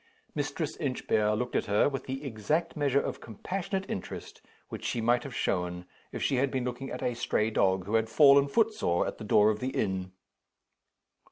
Mistress Inchbare looked at her, with the exact measure of compassionate interest which she might have shown if she had been looking at a stray dog who had fallen footsore at the door of the inn.